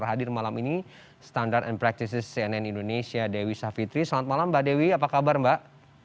hadir malam ini standard and practices cnn indonesia dewi savitri selamat malam mbak dewi apa kabar mbak